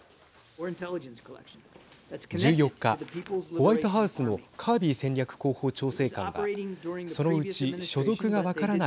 １４日ホワイトハウスのカービー戦略広報調整官はそのうち所属が分からない